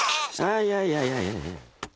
あいやいやいやいやいや。